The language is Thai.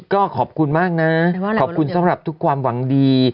ก็ขอบคุณมากนะขอบคุณสำหรับทุกความหวังดี